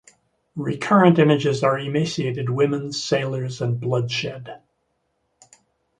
Recurrent images are emaciated women, sailors and bloodshed.